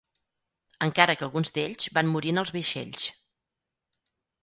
Encara que alguns d'ells van morir en els vaixells.